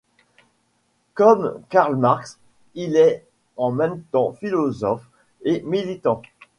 Comme Karl Marx, il est en même temps philosophe et militant.